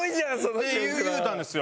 って言うたんですよ。